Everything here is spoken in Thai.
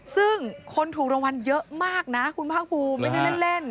ซึ่งคนถูกรางวัลเยอะมากนะคุณภาคภูมิไม่ใช่เล่น